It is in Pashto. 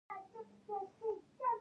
د کاپیسا نوم په پخوانیو لیکنو کې شته